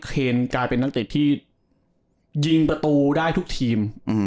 เคนกลายเป็นนักเตะที่ยิงประตูได้ทุกทีม